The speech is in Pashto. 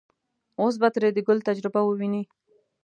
اوس به ترې د ګل تجربه وويني.